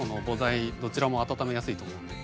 どちらも温めやすいと思うんで。